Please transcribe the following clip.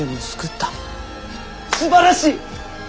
すばらしい！